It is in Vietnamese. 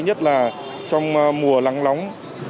nhất là trong mùa lắng lóng